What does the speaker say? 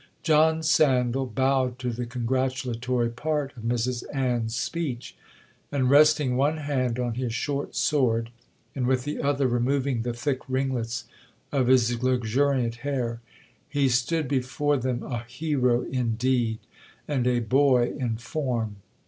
John Sandal bowed to the congratulatory part of Mrs Ann's speech, and, resting one hand on his short sword, and with the other removing the thick ringlets of his luxuriant hair, he stood before them a hero in deed, and a boy in form.